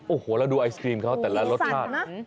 โอ้โหเราดูไอศครีมเขาแต่ละรสชาติ